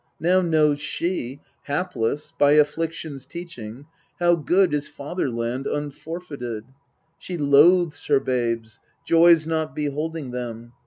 Now knows she, hapless, by affliction's teaching, How good is fatherland unforfeited. She loathes her babes, joys not beholding them.